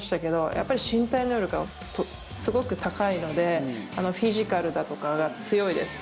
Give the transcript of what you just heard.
やっぱり身体能力がすごく高いのでフィジカルだとかが強いです。